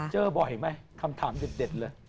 เจอบ่อยไม่คำถามเด็ดอ่ะ